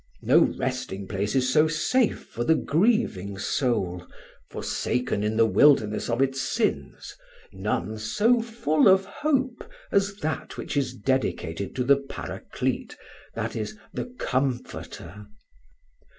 No resting place is so safe for the grieving soul, forsaken in the wilderness of its sins, none so full of hope as that which is dedicated to the Paraclete that is, the Comforter.